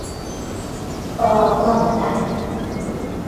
O autómata.